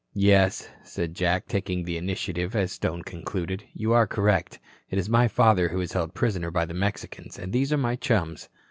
"Yes," said Jack, taking the initiative as Stone concluded, "you are correct. It is my father who is held prisoner by the Mexicans, and these are my chums."